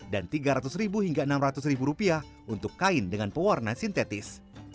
dan rp tiga ratus hingga rp enam ratus untuk kain dengan pewarna sintetis